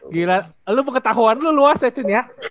gila lu pengetahuan lu luas ya chen ya